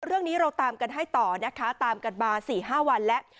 เรื่องนี้เราตามกันให้ต่อนะคะตามกันมา๔๕วันแล้ว